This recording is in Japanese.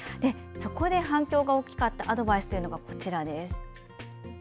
そこで反響が大きかったアドバイスがこちらです。